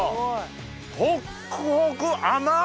ホックホク甘っ！